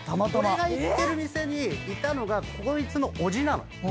俺が行ってる店にいたのがこいつの伯父なの。